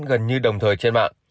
gần như đồng thời trên mạng